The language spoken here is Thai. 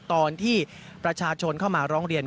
ตอนที่ประชาชนเข้ามาร้องเรียน